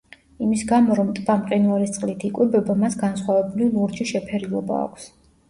იმის გამო, რომ ტბა მყინვარის წყლით იკვებება, მას განსხვავებული ლურჯი შეფერილობა აქვს.